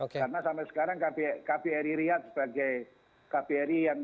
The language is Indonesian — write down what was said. karena sampai sekarang kbri riyad sebagai kbri